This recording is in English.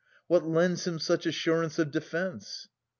What lends him such assurance of defence